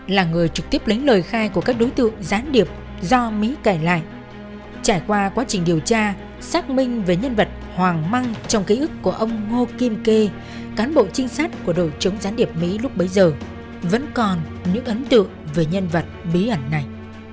là người trực tiếp lấy lời khai của các đối tượng gián điệp do mỹ kể lại trải qua quá trình điều tra xác minh về nhân vật hoàng măng trong ký ức của ông ngô kim kê cán bộ trinh sát của đội chống gián điệp mỹ lúc bấy giờ vẫn còn những ấn tượng về nhân vật bí ẩn này